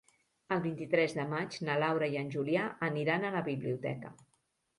El vint-i-tres de maig na Laura i en Julià aniran a la biblioteca.